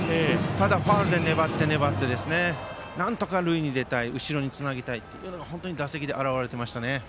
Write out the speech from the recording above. ただ、ファウルで粘って粘ってなんとか塁に出たい後ろにつなぎたいというのが打席に現れていましたね。